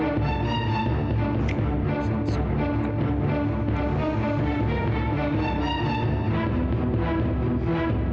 ini apaan jes